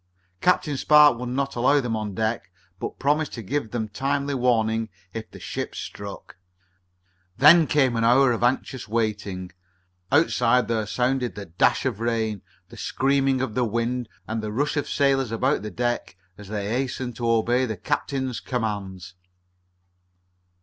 Captain Spark would not allow them on deck, but promised to give them timely warning if the ship struck. Then came an hour of anxious waiting. Outside there sounded the dash of rain, the screaming of the wind, and the rush of sailors about the deck as they hastened to obey the captain's commands.